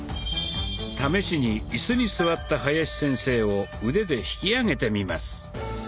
試しにイスに座った林先生を腕で引き上げてみます。